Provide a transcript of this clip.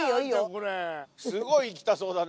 すごい行きたそうだね